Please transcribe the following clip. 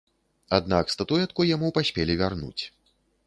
Аднак статуэтку яму паспелі вярнуць.